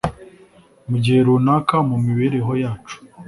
mu gihe runaka mu mibereho yacu